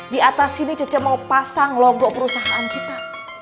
diatas sini cece mau pasang logo perusahaan kita